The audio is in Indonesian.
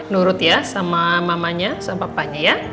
nurut ya sama mamanya sama papanya ya